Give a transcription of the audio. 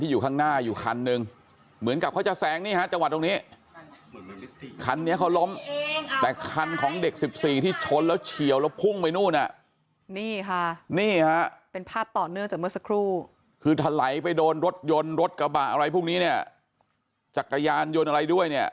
ยนต์รถกระบะอะไรพวกนี้เนี่ยจักรยานยนต์อะไรด้วยเนี่ย